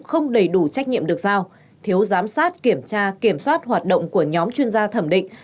không đầy đủ trách nhiệm được giao thiếu giám sát kiểm tra kiểm soát hoạt động của nhóm chuyên gia thẩm định